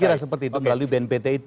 saya kira seperti itu melalui bnpt itu